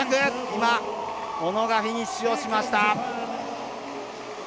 今、小野がフィニッシュしました。